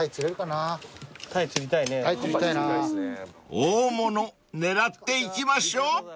［大物狙っていきましょう］